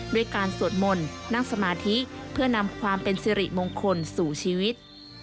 ด้วยการสวดมนต์นั่งสมาธิเพื่อนำความเป็นสิริมงคลสู่ชีวิต